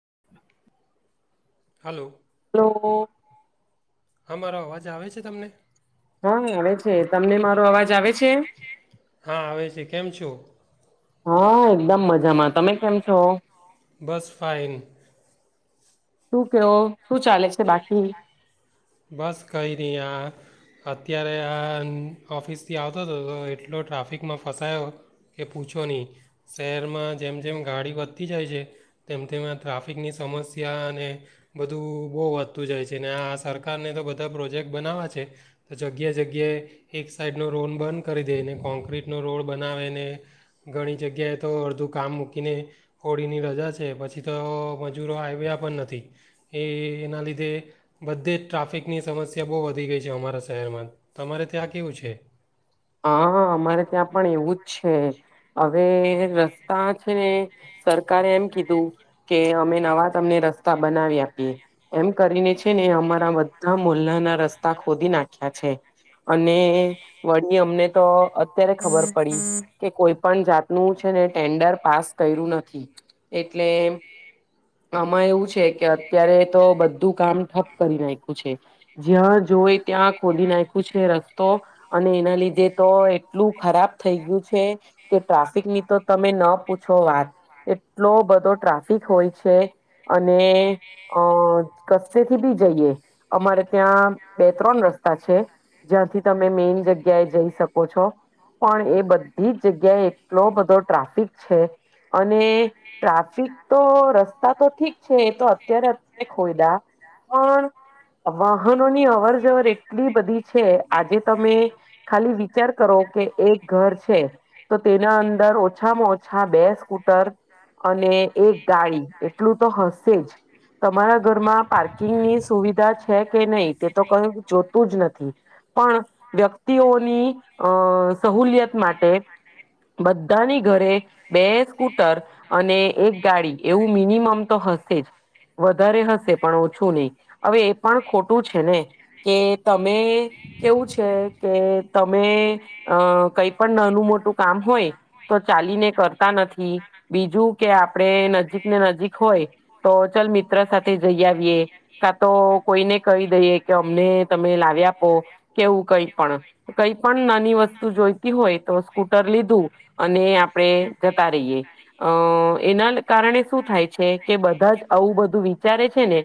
[inaudible] Hello. તો હા મારો અવાજ આવે છે તમને? હા આવે છે તમને મારો અવાજ આવે છે? હા આવે છે કેમ છો? હા એકદમ મજામાં તમે કેમ છો બસ ફાઇન શું કેવો શું ચાલે છે બાકી બસ કઈ નહી આ અત્યારે આ ઓફિસથી આવતો હતો એટલો ટ્રાફિકમાં ફસાયો કે પૂછો નહી શહેરમાં જેમ જેમ ગાડી વધતી જાય છે તેમ તેમ આ ટ્રાફિકની સમસ્યા અને બધું બહુ વધતું જાય છે ને આ સરકારને તો બધા પ્રોજેક્ટ બનાવવા્યા છે તો જગ્યા જગ્યાએ એક સાઈડનો રોન બંધ કરી દેને કોન્ક્રીટનો રોડ બનાવેને ઘણી જગ્યાએ તો અડધું કામ મૂકીને હોળીની રજા છે પછી તો મજૂરો આવ્યા પણ નથી એ એના લીધે બધે જ ટ્રાફિકની સમસ્યા બહુ વધી ગઈ છે અમારા શહેરમાં તમારે ત્યાં કેવું છે હા અમારે ત્યાં પણ એવું જ છે હવે રસ્તા છે ને સરકારે એમ કીધું કે અમે નવા તમને રસ્તા બનાવી આપીએ એમ કરીને છે ને અમારા બધા મોલ્લાના રસ્તા ખોદી નાખ્યા છે અને અમને તો અત્યારે ખબર પડી કે કોઈ પણ જાતનું છે ને ટેન્ડર પાસ કર્યું નથી એટલે આમાં એવું છે કે અત્યારે તો બધું કામ ઠપ કરી નાખ્યું છે જ્યાં જોઈ ત્યાં ખોદી નાખ્યું છે રસ્તો અને એના લીધે તો એટલું ખરાબ થઈ ગયું છે કે ટ્રાફિક ની તો તમે ન પૂછો વાત એટલો બધો ટ્રાફિક હોય છે અને અ કસેથી બી જઈએ અમારે ત્યાં બે ત્રણ રસ્તા છે જ્યાંથી તમે મેન જગ્યા જઈ શકો છો પણ એ બધી જ જગ્યાએ એટલો બધો ટ્રાફિક છે અને ટ્રાફિક તો રસ્તા તો ઠીક છે એ તો અત્યારે અત્યારે ખોઈદા પણ વાહનોની અવર જવર એટલી બધી છે આજે તમે વિચાર કરો કે એક ઘર છે તો તેના અંદર ઓછામાં ઓછા બે સ્કૂટર અને એક ગાડી એટલું તો હશે જ તમારા ઘરમાં પાર્કિંગની સુવિધા છે કે નહીિ તે તો કઈ જોતું જ નથી પણ વ્યક્તિ ્યતિઓની અ સહુલિયત માટે બધાની ઘરે બે સ્કૂટર અને એક ગાડી એવું મિનિમમ તો હશે જ વધારે હશે પણ ઓછું નહી હવે એ પણ ખોટું છે ને કે તમે કેવું છે તમે અ કઈ પણ નાનું મોટું કામ હોય તો ચાલીને કરતા નથી બીજું કે આપણે નજીક ને નજીક હોય તો ચાલ મિત્ર સાથે જઈ આવીએ કા તો કોઈને કહી દઈએ કે અમને તમે લાવ્યા આપો કેવું કઈ કઈ પણ નાની વસ્તુ જોઈતી હોય તો સ્કૂટર અને આપણે જતા રહીએ અ એના કારણે શું થાય છે કે બધા જ આવું બધું વિચારે છે ને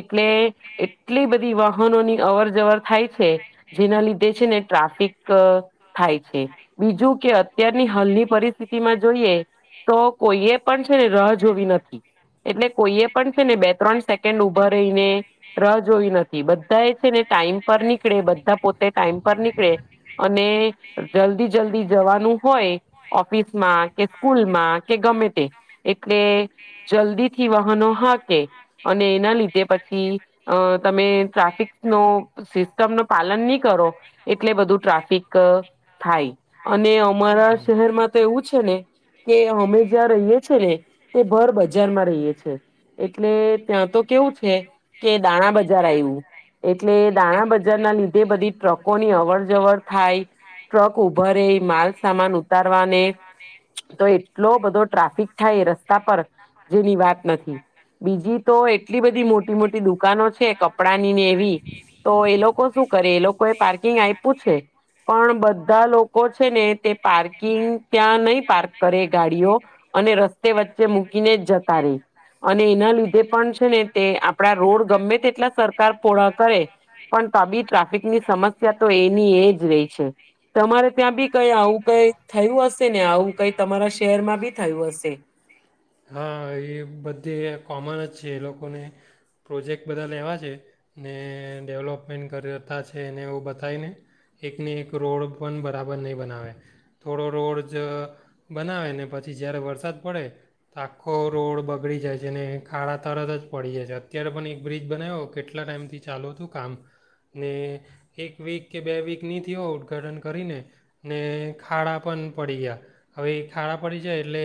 એટલે એટલી બધી વાહનોની અવર જવર થાય છે જેના લીધે ટ્રાફિક થાય છે બીજું કે અત્યારની હાલની પરિસ્થિતિમાં જોઈએ તો કોઈએ પણ છે ને રા જોવી નથી એટલે કોઈએ પણ છે ને બે ત્રણ સેકન્ડ ઉભા રહીને રા જોવી નથી બધા એ છે ને ટાઈમ પર નીકળે બધા પોતા ટમ પર નીકળે અને જલ્દી જલ્દી જ હોય ઓફિસમાં કે સ્કૂલમાં કે ગમે તે એટલે જલ્દી થી વાહનો હાકે અને એના લીધે પછી અ તમે ટ્રાફિક નો સિસ્ટમ ન પાલન નહી કર કરો એટલે બધું ટ્રાફિક થાય અમારા શહેરમાં તો એવું છે ને કે અમે જ્યાં રહીએ છેએ ને તે ભર બજારમાં રહીએ છે એટલે ત્યાં તો કેવું છે કે દાણા બજાર આવ્યું એટલે દાણા બજાર ના લીધે બધી ટ્રકો ની અવર જવર થાય ટ્રક ઉભ ર માલસામાન ઉતારવાને તો એટલો બધો ટ્રાફિક થાય રસ્તા પર જેની વાત નથી બીજી તો એટલી બધી મોટી મોટી દુકાનો છે કપડા ની ને એવી તો એ લોકો શું કરે એ લોકો કોઈ પાર્કિંગ આપ્યું છે પણ બધા લોકો લોકો છે ને તે પાર્કિંગ ત્યાં નહી પાર્ક કરે ગાડીઓ અને રસ્તે વચ્ચે મૂકીને જ જતા રે અને એના લીધે પણ છે ને તે આપડા રોડ ગમે તેટલા સરકાર પળા કરે પણ ત બી ટ્રાફિક સમસ્યા તો એની એ જ રહી છે તમા ત્યાં બી કઈ આવું કઈ થયું હશે ને આવું કઈ તમારા શહેરમાં બી થયું હશે. હા એ બધે કોમન જ એ લોકોને પ્રોજેક્ટ બધા લેવા છે ને ડેવલોપમેન્ટ કરતા છે એને એવું બતાવીને એકને એક રોડ પણ બ બરાબર નહીં બનાવે થોડો રોડ જ બનાવે ને પછી જ્યારે વરસાદ પડે તો આખો રોડ બગડી જાય છે ને ખાડા તરત જ પડી જાય છે અત્યારે પણ એક બ્રિજ બનાવ્યો કેટલા ટાઈમથી ચાલુ હતું કામ ને એક વીક કે બે વીકની થ હો ઉદઘાટન કરીને. ને ખાડા પણ પડી ગયા હવે એ ખાડા પડી જાય એટલે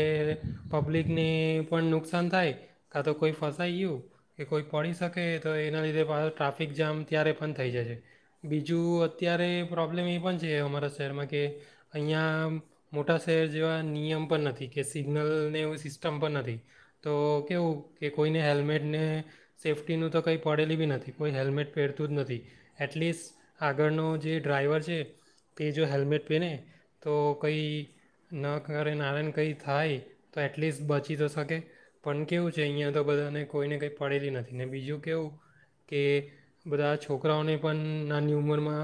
પબ્લિકને પણ નુકસાન થાય કા તો કોઈ ફસાઈ ગયું કે કોઈ પડી શકે તો એના લીધે ટ્રાફિક જામ ત્યારે પણ થઈ જાયશે બીજું અત્યારે પ્રોબ્લેમ એ પણ છે અમારા શહેરમાં કે અહીંયા મોટા શહેર જેવા નિયમ પણ નથી કે સિગ્નલને એું સિસ્ટમ પણ નથી તો કેવું કે કોઈને હેલ્મેટને સેફ્ટીનું તો કંઈ પડેલી બી નથી કોઈ હેલ્મેટ પહેરતું જ નથી એટલીસ્ટ આગળનો જે ડ્રાઈવર છે કે જો હેલ્મેટ પહેને તો કંઈ ન કરે નારાયણ કંઈ થાય તો એટલીસ્ટ બચી તો શકે પણ કેવું છે અહીંયા તો બધાને કોઈને કંઈ પડેલી નથી ને બીજું કેવું કે બધા છોકરાઓને પણ નાની ઉંમરમાં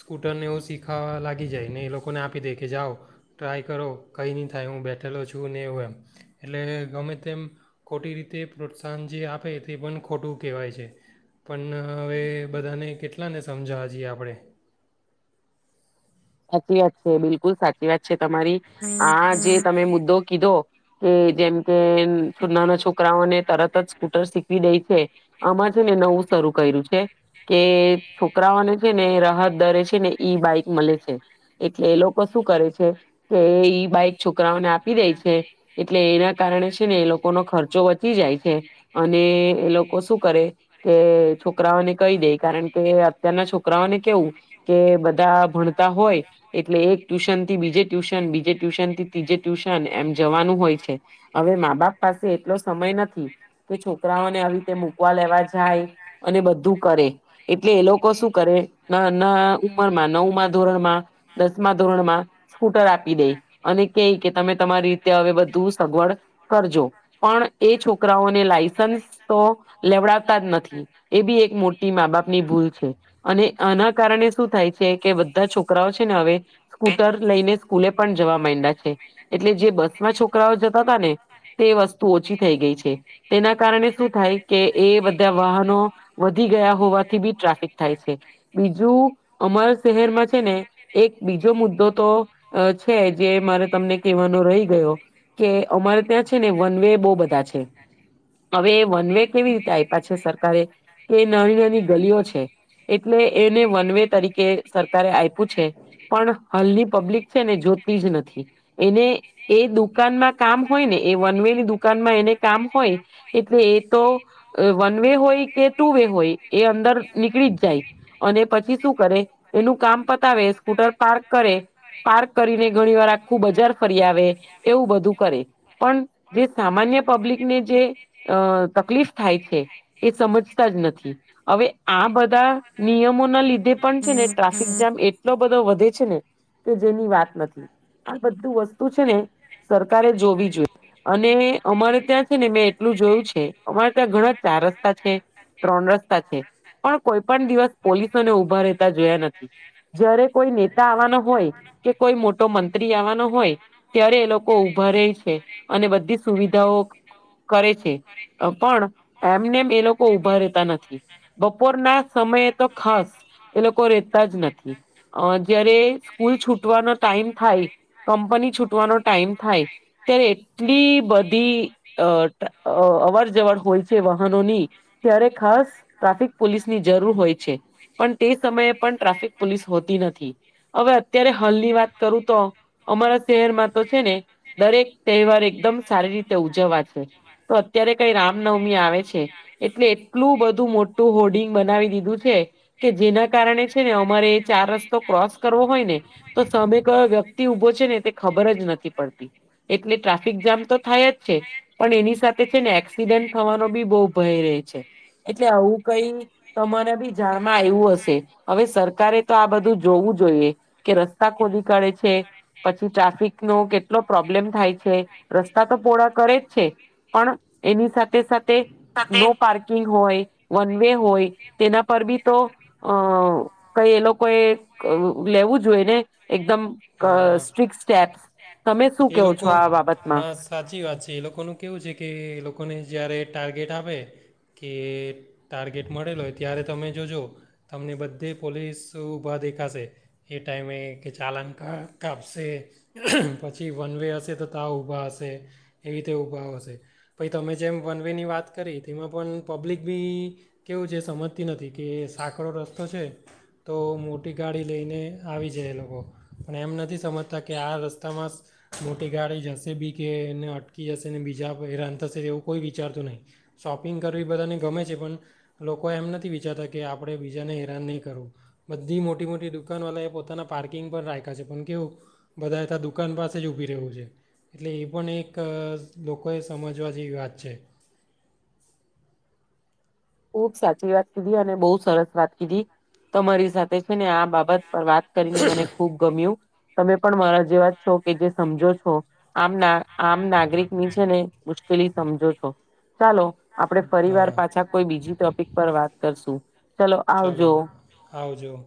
સ્કૂટરને એવું શીખ ખાવા લાગી જાય ને એ લોકોને આપી દે કે જાઓ ટ્રાય કરો કંઈ નહીં થાય હું બેઠેલો છું ને એવું એમ એટલે ગમે તેમ ખોટી રીતે પ્રોત્સાહન જે આપે તે પણ ખોટું કહેવાય છે પણ હવે બધાને કેટલાને સમજાવા જઈએ આપણે સાચી વાત છે બિલકુલ સાચી વાત છે. તમારી આ જે તમે મુદ્દો કીધો કે જેમ કે નાના છોકરાઓને તરત જ સ્કૂટર શીખવી દે છે આમાં છે ને નવું શરૂ કર્યું છે કે છોકરાઓને છે ને રાહત દરે છે ને ઈ બાઈક મળે છે. એટલે એ લોકો શું કરે છે કે ઈ બાઈક છોકરાઓને આપી દે છે એટલે એના કારણે છે ને એ લોકોનો ખર્ચો બચી જાય છે અને એ લોકો શું કરે કે છોકરાઓને કહી દે કારણ કે અત્યારના છોકરાઓને કેવું કે બધા ભણ હોય એટલે એક ટ્યુશન થી બીજે ટ્યુશન બીજે ટ્યુશન થી ત્રીજે ટ્યુશન એમ જવાનું હોય છે હવે મા બાપ પાસે એટલો સમય નથી કે છોકરાઓને આવી રીતે મૂકવા લેવા જાય અને બધું કરે એટલે એ લોકો શું કરે ના ઉમર માં નવર ધોરણમાં દસમા ધોરણ માં સ્કૂટર આપ દઈ અને ક કે તમે તમારી રીતે હવે બધું સગવડ કરજો પણ એ છોકરાઓને લાયસન્સ તો લેવડાવતા જ નથી એ બી એક મોટી મા બાપની ભૂલ છે અને આના કારણે શું થાય છે કે છોકરાઓ છે ને હવે સ્કૂટર લઈને સ્કૂલે પણ જવા માં છે એટલે જે બસમાં છોકરાઓ જતા ત ને વસ્તુ ઓછી થઈ ગઈ છે તેના કારણે શું થાય કે એ બધા વાહનો વધી ગયા હોવાથી બી ટ્રાફિક થાય છે બીજું અમર શહેરમાં ને એક બીજો મુદ્દો તો છે જે મારે તમને કહેવાનો રહી ગયો કે અમારે ત્યાં છે ને વન વ બહ બધા છે હવે એ વન વે કેવી રીતે આપ્યા છે સરકારે કે નાની નાની ગલીઓ છે એટલે એને વન વે તરીકે આપ્યું છે પણ હાલની પબ્લિક છે ને જોતી જ નથી એને એ દુકાનમાં કામ હોય ને એ ની દુકાનમાં એને કામ હોય એટલે એ તો વન વે હોય કે ટુ વે હોય એ અંદર નીકળી જ જાય અને પછી શું કરે. એનું કામ પતાવે સ્કૂટર પાર્ક કરે પાર્ક કરીને ઘણી વાર આખું બજાર ફરી આવે એવું બધું કરે પણ જે સામાન્ય પબ્લિકને જે તકલીફ થાય છે એ સમજતા જ નથી હવે આ બધા નિયમોના લીધે પણ છે ને ટ્રાફિક જામ એટલો બધો વધે. જેની વાત નથી આ બધું વસ્તુ છે ને સરકારે જોવી જોઈએ. અને અમારે ત્યાં છે ને મેં એટલું જોયું છે અમારે ત્યાં ઘણા ચાર રસ્તા છે ત્રણ રસ્તા છે પણ કોઈ પણ દિવસ પોલીસોને ઊભા રહેતા જોયા નથી. જયારે કોઈ નેતા આવવાનો હોય કે કોઈ મોટો મંત્રી આવવાનો હોય ત્યારે એ લોકો ઉઊભા રહે છે અને બધા સુવિધાઓ કરે છે પણ એમને એમ એ લોકો ઉભા રહેેતા નથી બપોર ના સમયે તો ખાસ એ લોકો જ્યારે સ્કૂલ છૂટવાનો ટાઈમ થાય કંપની છૂટવાનો ટાઈમ થાય ત્યારે એટલી અવર જવર હોય છે વાહનોની ત્યારે ખાસ ટ્રાફિક પોલીસની જરૂર હોય છે પણ તે સમયે પણ પોલીસ હોતી નથી હવે અત્યારે હાલની વાત કરું તો અમારા શહેરમાં તો છે ને દરેક તહેવાર એકદમ સારી રીતે ઉજવવા છે તો અત્યારે કઈ રામનવમી આવે છે એટલે એટલું બધું મોટું હોર્ડિંગ બનાવી દીધું છે કે જેના કારણે અમારે ચાર રસ્તો ક્રોસ કરવો હોય ને તો સામે કોણ વ્યક્તિ ઉભો છે ને ખબર જ નથી પડતી એટલે ટ્રાફિક જામ તો તો થાય જ છે પણ એની સાથે છે ને એક્સિડેન્ટ થવાનો બી બહ ભય રહે છે એટલે આવું કઈ તમારે બી જાણમાં આવ્યું હશે હવે સરકારે તો આ બધું જોવું જોઈએ કે રસ્તા ખોદી કાઢે છે પછી ટ્રાફિક નો કેટલો પ્રોબ્લેમ થાય છે. હા તો પોળ કરે જ છે પણ એની સાથે સાથે નો પાર્કિંગ હોય વન વે હોય તેના પર બી તો અ કઈ એ લોકોએ લેવું જોઈએ ને એકદમ અ સ્ટ્રીિક સ્ટેપ્સ તમે શું એ કહવો છો લોકો આ બાબત. હા સાચી વાત છે એ લોકોનું કેવું છે કે એ લોકોને જયારે ટાર્ગેટ આપે કે ટાર્ગેટ મળેલો હોય ત્યારે તમે જોજો તમને બધે પોલીસ ઊભા દેખાશે એ ટાઈમે કે ચાલના કાપશે પછી વન વે હશે તો તા ઊભા હશે એવી રીતે ઊભા હશે પછી તમે જેમ વન વે ની વાત કરી તેમાં પણ પબ્લિક બી કેવું છે સમજતી નથી કે સાંકડો રસ્તો છે તો મોટી ગાડી લઈને આવી જાય એ લોકો પણ એમ નથી સમજતા કે આ રસ્તામાં મોટી ગાડી જશે બી કેને અટકી જશે ને બીજા કોઈ હેરાન થશે એવું કોઈ વિચારતું નહીં શોપિંગ કરવી એ બધાને ગમે છે પણ લોકો એમ નથી વિચારતા કે આપણે બીજાને હેરાન નહીં કરવું બધી મોટી મોટી દુકાનવાળાએ પોતાના પાર્કિંગ પર રાખ્યા છે પણ કેવું બધા ત દુકાન પાસે જ ઊભી રહ્યું છે. એટલે એ પણ એક લોકોએ સમજવા જેવી વાત છે. ખૂબ સાચી વાત કીધી અને બહુ સરસ વાત કીધી તમારી સાથે છે ને આ બાબત પર વાત કરીને મને ખુબ ગમ્યું. તમે પણ મારા જે વાત છો કે જે સમજો છો આમ ના આમ નાગરિક ની છે ને પેલી સમજો છો. ચાલો આપડે ફરી વાર હા પાછા બીજી ટોપિક પર વાત કરશું ચલો ચાલો આવજો. આવજો